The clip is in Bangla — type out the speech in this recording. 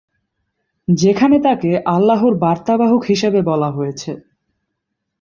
যেখানে তাকে আল্লাহর বার্তাবাহক হিসাবে বলা হয়েছে।